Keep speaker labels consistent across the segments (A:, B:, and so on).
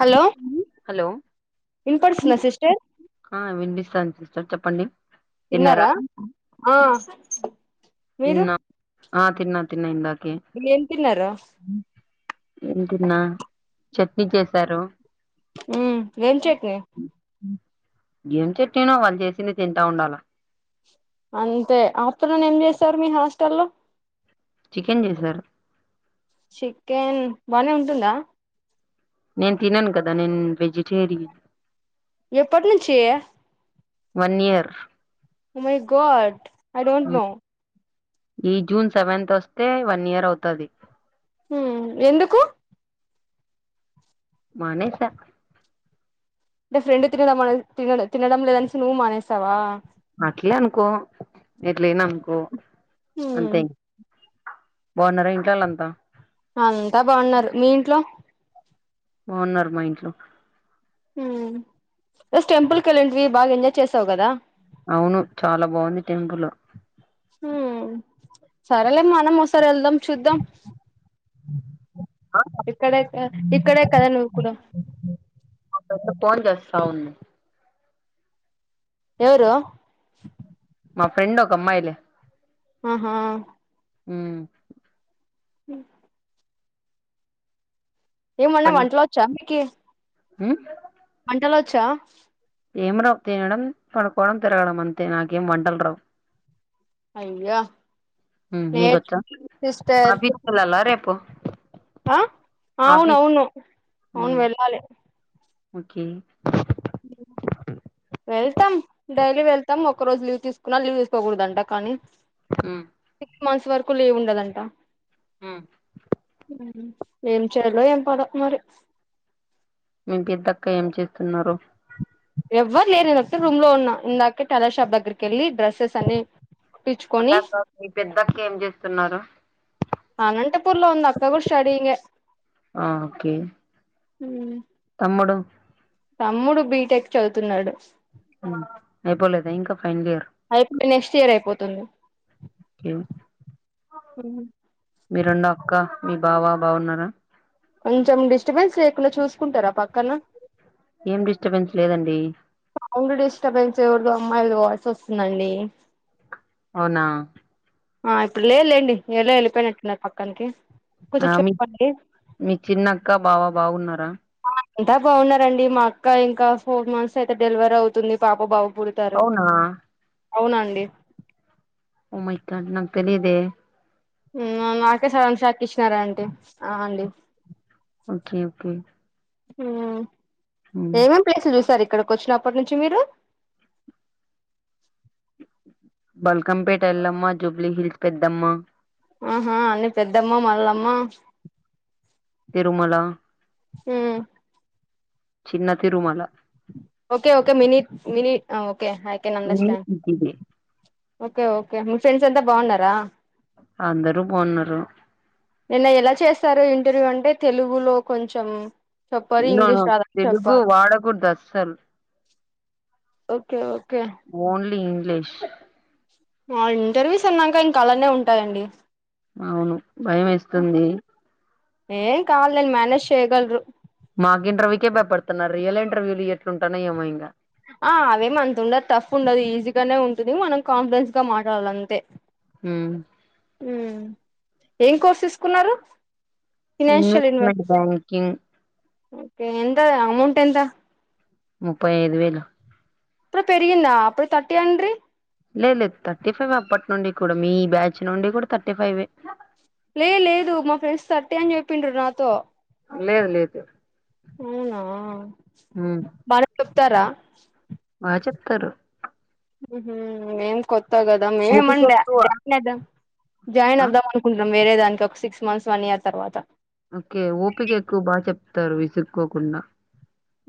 A: Hello
B: hello
A: ఇన్ పడుతుందా sister
B: ఆ వినిపిస్తుంది సిస్టర్ చెప్పండి.
A: తిన్నారా ఆ మీరు
B: తిన్నా ఆ తిన్నా తిన్నా ఇందాకా
A: ఏం తిన్నారా
B: ఏం తిన్నా చట్నీ చేసారు.
A: హమ్ ఏం చట్నీ
B: అ [inaudible] ఏం చట్నీ నో వాళ్ళు చేసింది తింటా ఉండాల
A: అంతే ఆఫ్టర్నూన్ ఏం చేసారు మీ హాస్టల్లో
B: చికెన్ చేసారు
A: చికెన్ బానే ఉంటుందా?
B: నేను తినను కదా నేన్ వెజిటేరియన్
A: ఎప్పటి నుంచి
B: one year
A: oh my god I don't know
B: ఈ జూన్ సెవెన్త్ వస్తే వన్ ఇయర్ అవుతాది
A: హమ్ ఎందుకు
B: మానేస
A: అంటే మీ ఫ్రెండ్ తినడం త తినడం లేదని నువ్వు మానేస్తావా.
B: అట్లే అనుకో ఎట్లయిన అనుకో
A: మ్మ్
B: అంతేం బాన్నర ఇంట్లాాల అంతా
A: అంతా బాగున్నారు మీ ఇంట్లో
B: బాగున్నారు మా ఇంట్లో
A: హస్ టెంపుల్ కలిండవి బాగా ఎంజాయ్ చేసావ్ కదా.
B: అవును చాలా బాగుంది టెంపు లో
A: హ సరేలే మనం ఒకసారి వెళ్దాం చూద్దాం
B: [inaudible]
A: ఇక్కడే ఇక్కడే కదా నువ్వు కూడా
B: అవును
A: ఎవరు
B: మా ఫ్రెం ఒక క అమ్మాయిలే.
A: ఆహా
B: హ
A: హ [inaudible] ఏమన్నా
B: చెప్పండి
A: వంంటలో వచ్చా మీకు
B: ఉమ్
A: ఇటు వెళ్లొచ్చా
B: ఏం రావు తినడం పనుక్కోవడం తిరగడం అంతే నాకేం వంటలు రావు
A: అయ్యా
B: ఉమ్
A: లేదు
B: మీకొచ్చా
A: సిస్టర్
B: ఆఫీస్ కెళ్ళాలా రేపు
A: ఆ అవును
B: ఆఫీస్
A: అవును అవును
B: ఉమ్
A: వెళ్ళాలి
B: ఓకే
A: వెళ్తాం డైలీ వెళ్తాం ఒక రోజు లీవ్ తీసుకున్నా లీవ్ చేసుకోకూడదంట కానీ
B: ఉమ్
A: సిక్స్ మంత్స్ వరకు లీవు ఉండదంట
B: హు
A: హు ఏం చేయాలో ఏం పాడు మరి
B: ఇంకేంటక్క ఏం చేస్తున్నారు
A: ఎవ్వరు లేరు నేను ఒక్కటి రూమ్ లో ఉన్నా ఇందాకే టాలా షాప్ దగ్గరికి వెళ్ళి డ్రెస్సెస్ అన్ని కుట్టిచ్చుకొని
B: అదక్క మీ పెద్దక్క ఏం చేస్తున్నారు
A: అనంతపూర్ లో ఉంది అక్క కూడా స్టడీంగే
B: ఆ ఓకే
A: ఉ
B: తమ్ముడు
A: తమ్ముడు బీటెక్ చదువుతున్నాడు
B: అయిపోలేదా ఇంకా ఫైనల్ ఇయర్
A: అయిపోయి నెక్స్ట్ ఇయర్ అయిపోతుంది
B: ఇంకేం మీ రెండో అక్క మీ బావా బాగున్నారా
A: కొంచెం డిస్టబెన్స్ లేకుండా చూసుకుంటారా పక్కన
B: ఏం డిస్టర్బెన్స్ లేదండి
A: సౌండ్ డిస్టర్బెన్స్ ఎవరిదో అమ్మాయిలది వాయిస్ వస్తుందండి
B: అవునా
A: ఆ ఇప్పుడు లేదు లేండి ఎల్లో వెళ్ళిపోయినట్టున్నారు పక్కనికి
B: ఆ మీ మీ చిన్నక్క బావా బాగున్నారా
A: ఎంతా బాగున్నారండి మా అక్క ఇంకా ఫోర్ మంత్స్ అయితే డెలివరీ అవుతుంది పాపో బావు
B: అవునా
A: అవునండి
B: ఓ మై కన్నా తెలిదే
A: ఆ నా నాకే సడన్ షాక్ ఇచ్చినారా అంటే ఆ అండి
B: ఓకే ఓకే
A: హా
B: ఉమ్
A: ఏమేం ప్లేస్లు చూసారు ఇప్ ఇక్కడికి వచ్చిన అప్పటి నుంచి మీరు
B: బల్కంపేట ఎల్లమ్మా జూబ్లీ హిల్స్ పెద్దమ్మా
A: ఆహా అన్నీ పెద్దమ్మ మళ్ళమ్మా
B: తిరుమల
A: హు
B: చిన్న తిరుమాల
A: ఓకే ఓకే మినిట్ మినిట్ఓ ఓకే ఐకేన్ అండర్ స్టాండ్
B: ఇది
A: ఓకే ఓకే మీ ఫ్రెండ్స్ అంతా బాగున్నారా
B: అందరూ బాగున్నారు
A: నిన్న ఎలా చేస్తారు ఇంటర్వ్యూ అంటే తెలుగులో కొంచెం చెప్పారు
B: అవునా
A: ఇంగ్లీష్ రాదని
B: తెలుగు
A: చెప్పారు
B: వాడకూదడు అస్సలు
A: ఓకే ఓకే
B: ఓన్లీ ఇంగ్లీష్
A: వా ఇంటర్వ్యూస్ అన్నాక ఇంకా అలానే ఉంటాయండి
B: అవును భయం వేస్తుంది
A: ఏం కాదులేండి మ్యానేజ్ చేయగలరు.
B: మాకు ఇంటర్వ్యూకే భయపడుతున్నారు రియల్ ఇంటర్వ్యూలు ఎట్లుంటాన ఏమో ఇంగా
A: ఆ అవేమంతుడదు టఫ్ ఉండదు ఈజీగానే ఉంటుంది మనం కాన్ఫిడెన్స్ గా మాట్లాడాల అంతే
B: ఉమ్
A: ఉమ్ ఏం కోర్స్ తీసుకున్నారు
B: ఇన్వెస్ట్మెంట్ బ్యాంకింగ్
A: ఏందో అది అమౌంట్ ఎంత
B: ముప్పై ఐదు వేలు
A: అప్పుడే పెరిగిందా అప్పుడు థర్టీఆండ్రి
B: లే లేదు థర్టీ ఫైవ్ అప్పటి నుండి కూడా మీ బ్యాచ్ నుండి కూడా థర్టీ ఫైవే
A: లే లేదు మా ఫ్రెండ్స్ థర్టీ అని చెప్పిండ్రు నాతో
B: లేదు లేదు
A: అవునా మన చెబుతర
B: బా చెప్తారు
A: ఉమ్ ఏం కోర్స్ ా కదా
B: ఓపిక
A: మేమేమండే
B: ఎక్కువ
A: జాయిన్ అవుదాం జాయిన్
B: ఆ
A: అవుదాం అనుకున్నాం వేరే దానికి ఒక సిక్స్ మంత్స్ వన్ ఇయర్ తర్వాత
B: ఓకే ఓపిక ఎక్కువ బాగా చెప్తారు విసుక్కోకుండా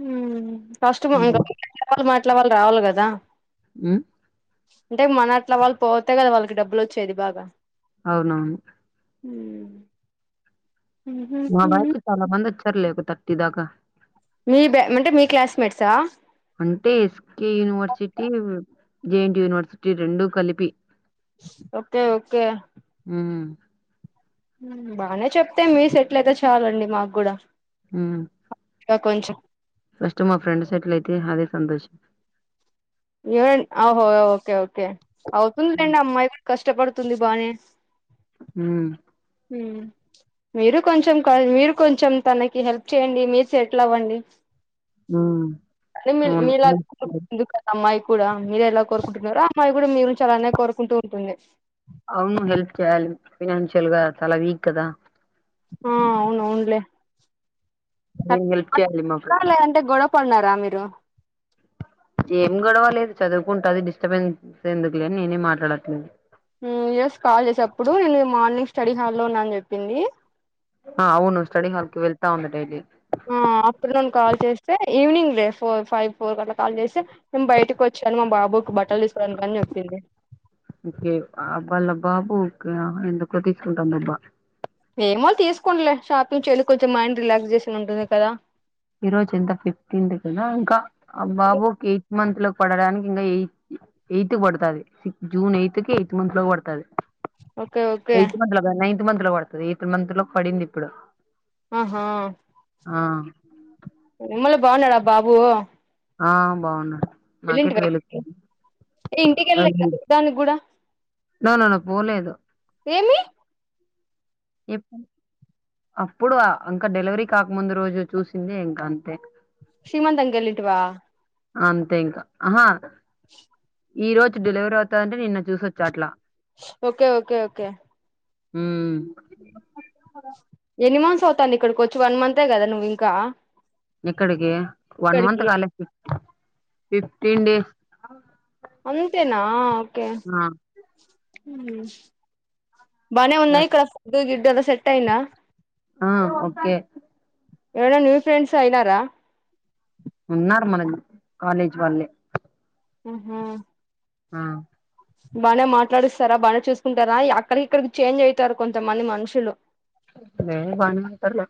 A: ఉమ్ కష్టం ఇంకా తప్పదు మారి ఎట్లా వాళ్ళు రావాలి కదా
B: అమ్
A: అంటే మనట్లా వాళ్ళు పోతే కదా వాళ్ళకి డబ్బులు వచ్చేది బాగా
B: అవునవును
A: హమ్
B: మా బాకి చాలా మంది వచ్చారు లేక త ఇంటిదాక
A: మీ బ అంటే మీ క్లాస్మేట్సా
B: అంటే ఎస్కేయూనివర్సిటీ జేఎన్టీయూ యూనివర్సిటీ రెండు కలిపి
A: ఓకే ఓకే
B: మ్మ్
A: బాగానే చెప్తే మీరు సెట్లయితే చాలండి మాకు కూడా
B: హ్మ్మ్
A: ఇంకా కొంచం
B: ఫస్ట్ మా ఫ్రెండ్ సెటిల్ అయితే అదే సంతోషం
A: ఏమైంది ఆ హో ఓకే ఓకే అవుతుంది లెండి అమ్మాయిలు కష్టపడుతుంది బానే
B: హ
A: మీరు కొంచెం మీరు కొంచెం తనకి హెల్ప్ చేయండి మీరు సెటిల్ అవ్వండి
B: మ్మ్
A: మీ
B: అవును
A: మీలా
B: హెల్ప్ చేయాలి.
A: కాదు అమ్మాయి కూడా మీరే ఎలా కోరుకుంటున్నారో అమ్మాయి కూడా మీరుంచి అలానే కోరుకుంటూ ఉంటుంది
B: అవును హెల్ప్ చేయాలి ఫైనాన్షియల్గా చాలా వీక్ కదా
A: ఆ అవును అవును లే
B: నేను హెల్ప్ చేయాలి మా ఫ్రెండ్
A: [unintelligible] గొడవ పడిన్నారా మీరు
B: ఏం గడవ లేదు చదువుకుంటుది డిస్టర్బెన్స్ ఎందుకు లేని నేనే మాట్లాడట్లేదు
A: ఎస్ కాల్ చేసేప్పుడు నేను మార్నింగ్ స్టడీ హాల్లో ఉన్నా అని చెప్పింది
B: ఆ అవును స్టడీ హాల్ కి వెళ్తా ఉంద డైలీ
A: ఆ ఆఫటర్నూన్ కాల్ చేస్తే ఈవనింగ్ రే ఫోర్ ఫైవ్ ఫోర్ క కాల్ చేసి మేము బయటకు వచ్చాను మా బాబుకి బట్టలు తీసుకోనికి కాని చెప్పింది
B: బాబుకే ఎందుకు తీసుకుంటాందబ్బా
A: ఏమో తీసుకోంలే షాప్ నుంచి వెళ్ళకచ్చతే మైండ్ రిలాక్స్ చేషన్ ఉంటుంది కదా
B: ఈరోజు ఎంత ఫిఫ్టీన్ కదా ఇంకా ఆ బాబుకి ఎయిట్ మంత్ లోకి పడడానికి ఇంకా ఎయిత్ ఎయిత్ పడుతుంది సి జూన్ ఎయిత్ కి ఎయిత్ మంత్ లోకి పడుతుంది
A: ఓకే ఓకే
B: ఎ మంత్ లో పడుతుంది ఏడు మంత్ లో పడింది ఇప్పుడు
A: ఆహా
B: ఆ
A: నిమ్మలే బాగున్నాడా బాబు
B: ఆ బాగున్నాడు నాకెటు
A: వెళ్ళిటియ
B: తెలుస్తది
A: ఏ ఇంటికి వెళ్ళాల దానికి కూడా
B: నానాన్న పోలేదు
A: ఏమి
B: ఎప్పుడు అప్పుడు ఇంకా డెలివరీ కాకముందు రోజు చూసింది ఇంకా అంతే
A: శ్రీమంత్ కు వెళ్లిట్వా
B: అంతే ఇంక ఆహా ఈ రోజు డెలివరీ అవుతదంటే నిన్న చూసొచ్చ అట్లా
A: ఓకే ఓకే ఓకే
B: హ్మ్
A: మ్ ఎన్ని మంత్స్ అవుతాంది ఇక్కడికి వచ్చి వన్ మంతే కదా నువ్వు ఇంకా
B: ఎక్కడికి వన్ మంత్
A: ఇక్కడికి
B: కాలె ఫిఫ్టీన్ డేస్
A: అంతేనా ఓకే
B: ఆ
A: హ్మ్ బానే ఉన్నాయి
B: సరే
A: ఇక్కడ [unintelligible] గదా సెట్ అయిందా
B: ఆ ఓకే
A: ఏరన్నా న్యూ ఫ్రెండ్స్ అయినారా
B: ఉన్నారు మన కాలేజీ వాళ్ళే
A: ఆహ
B: ఆ
A: బానే మాట్లాడిస్తారా బానే చూసుకుంటారా అక్కడి ఇక్కడికి చేంజ్ అయితారు కొంతమంది మనుషులు
B: లేదు బానే ఉంటారు లేక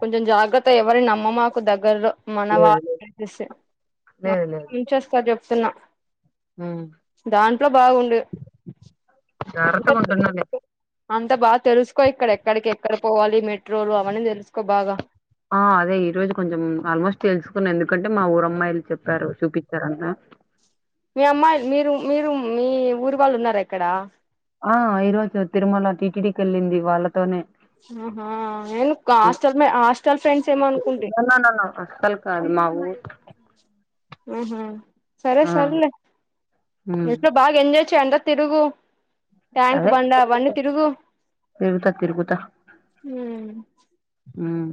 A: కొంచెం జాగ్రత్త ఎవరి నమ్మమ్మాకు దగ్గరలో మన
B: లేదు లేదు
A: వాళ్ళ
B: లేదు లేదు
A: మంచేస్తారు చెప్తున్నా
B: ఉమ్
A: దాంట్లో బాగుండు
B: జాగ్రత్తగా ఉంటున్నాలే
A: అంత బాగా తెలుసుకో ఇక్కడ ఎక్కడికి ఎక్కడ పోవాలి మెట్రోలు అవన్నీ తెలుసుకో బాగా
B: ఆ అదే ఈ రోజు కొంచెం ఆల్మోస్ట్ తెలుసుకున్న ఎందుకంటే మా ఊరమ్మాయి చెప్పారు చూపిచ్చారంత
A: మీ అమ్మాయి మీరు మీరు మీ ఊరి వాళ్ళు ఉన్నార ఇక్కడ
B: ఆ ఈరోజు తిరుమల టీటీడి కి వెళ్ళింది వాళ్ళతోనే
A: ఆహా నేను హాస్టల్ హాస్టల్ ఫ్రెండ్స్ ఏమో అనుకుంటి
B: క మావు
A: హ్మ్ హు సరే
B: ఆ
A: సరలే
B: ఉమ్
A: ఎట్లో బాగ ఎంజాయ చేఅంత తిరుగు ట్యాంక్
B: అదే
A: బండా అవన్నీ తిరుగు
B: తిరుగుతా తిరుగుతా హ్మ్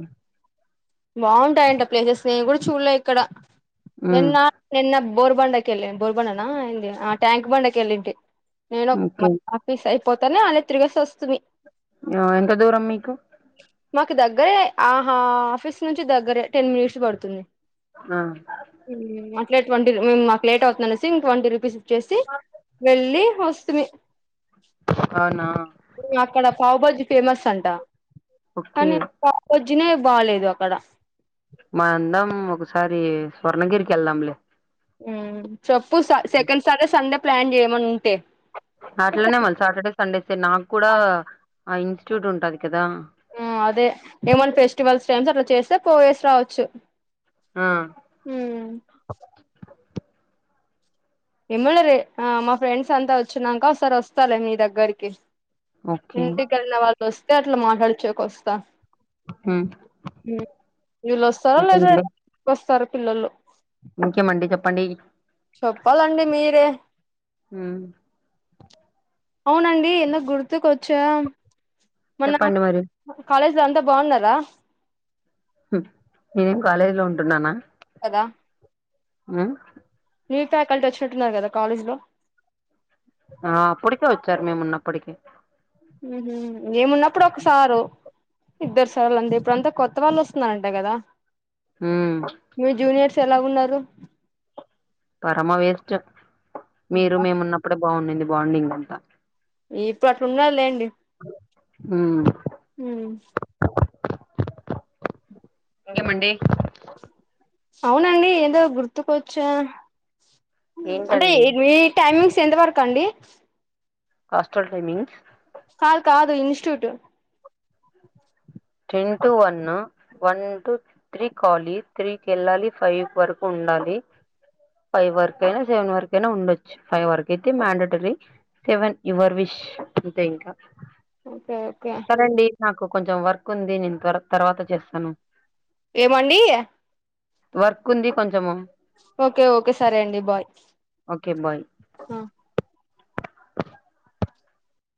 A: బాగుంటాయింట ఆ ప్లేసెస్ నేను కూడా చూడలే ఎక్కడ
B: ఉమ్
A: నిన్న నిన్న బోర్ బండక ఎలి బోర్ బండనా ఏందీ ట్యాంక్ బండ కెళ్ళింటి నేను ఒక
B: ఓకే
A: ఆఫీస్ అయి పోతనే అ త్రివీక్స్ వ
B: ఆ ఎంత దూరం మీకు
A: మాకు దగ్గరే ఆహా ఆఫీస్ ఇంటి నుంచి దగ్గరే టెన్ మినిట్స్ పడుతుంది
B: ఆ
A: అట్లే ట్వంటీ ఇగ మాకు లేట్ అవుతుంది అనేసి ఇంగ ట్వంటీరూపీస్ ఇచ్చేసి వెళ్ళి వస్త త్రీ
B: అవునా
A: పావ్బాజీ ఫేమస్ అంట
B: ఓకే
A: కానీ పావ్బాజీ తినేక్ బాలేదు అక్కడ
B: మనందరం ఒకసారి స్వర్ణగిరికి వెళ్దాంలే
A: హు చెప్పు స second Saturday Sunday plan చేయమను
B: అట్లనే మల్ల సాటర్డే సండే సే నాకు కూడా ఆ ఇన్స్టిట్యూట్ ఉంటది కదా
A: ఉ అదే ఏమన్న ఫెస్టివల్స్ టేమ్స్ అట్లా చేస్తే పోయేసి రావచ్చు
B: ఆ
A: హు ఎమోలే రే మా ఫ్రెండ్స్ అంతా వచ్చినాక ఒకసారి వస్తాలే మీ దగ్గరికి
B: ఓకే
A: ఇంటికెళ్ళిన వాళ్ళువస్తే వస్తే అట్లా మాట్లాడిచ్చేకి వస్తా
B: ఉమ్
A: హు ఇల్లోస్తరో లేదో
B: ఇంకేమండి
A: ఫస్ స్తార్ పిల్లోలు
B: ఇంకేమండి చెప్పండి
A: చెప్పాలండి మీరే
B: ఉమ్
A: అవునండి ఎందుకు గుర్తుక్ వచ్చా మన
B: చెప్పండి మరి
A: కాలజ్ ఇంట్లో అంతా బాగున్నారా
B: హు నేనేం కాలేజీ లో ఉంటున్నానా
A: కదా
B: ఆ
A: న్యూ ఫ్యాకల్టీ వచ్చినట్టున్నారు కదా కాలేజ్ లో
B: ఆ అప్పటికే వచ్చారు మేమున్నప్పటికే
A: ఉహు మేమున్నప్పుడు ఒక సారు ఇద్దరు సార్లు అంతే ఇప్పుడుంతా కొత్త వాళ్ళు వస్తున్నారంట కదా
B: హు
A: ఎలా ఉన్నారు
B: పరమ వేస్ట్ మీరు మేము ఉన్నప్పుడే బాగున్నేది బాండింగ్ అంతా
A: ఇప్పుడు అట్లు ఉండరు లేండి
B: ఉమ్
A: హ
B: ఇంగే మండి
A: అవునండి ఏదో గుర్తుకోవచ్చా అంటే
B: ఏంటండి
A: ఏ మీ టైమింగ్స్ ఎంతవరకు అండి
B: హాస్టల్ టైమింగ్స్
A: కాదు కాదు institute
B: ten two one one ఇ టూ త్రీ కాలి త్రీకి వెళ్ళాలి ఫైవ్ వరకు ఉండాలి ఫైవ్ వరకు అయినా సెవెన్ వరకు అయినా ఉండొచ్చు ఫైవ్ వరకు అయితే మ్యాండటరీ సెవెన్ యువర్ విష్ అంతే ఇంకా
A: ఓకే ఓకే
B: కో కొంచెం వర్ కుంది నేను త తర్వాత చేస్తాను
A: ఏమొంది
B: వర్క్ ఉంది కొంచము
A: ఓకే ఓకే సరే అండి బాయ్
B: ఓకే బాయ్